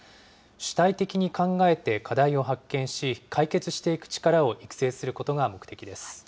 主体的に考えて課題を発見し、解決していく力を育成することが目的です。